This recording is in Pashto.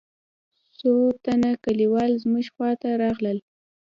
څو تنه کليوال زموږ خوا ته راغلل.